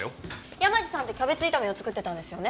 山路さんってキャベツ炒めを作ってたんですよね？